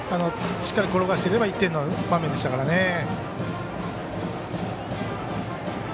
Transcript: しっかり転がしていれば１点の場面でしたからね。